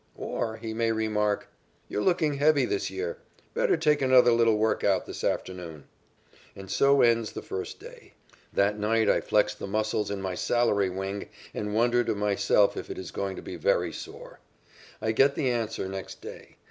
Or he may remark: "You're looking heavy this year. Better take another little workout this afternoon." And so ends the first day. That night I flex the muscles in my salary wing and wonder to myself if it is going to be very sore. I get the answer next day.